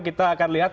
kita akan lihat